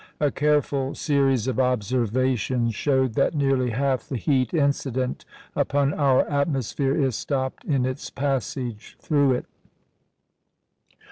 A careful series of observations showed that nearly half the heat incident upon our atmosphere is stopped in its passage through it.